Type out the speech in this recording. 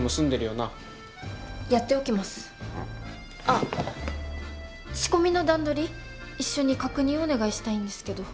あっ仕込みの段取り一緒に確認をお願いしたいんですけど。